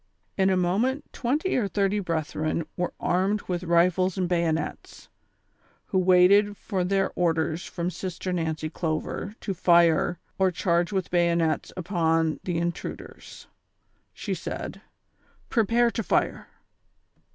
In a moment twenty or thirty brethren were armed with rifles and bayonets, who waited for their orders from Sister Nancy Clover to fire or charge with bayonets upon the in truders. She said : "Prepare to fire."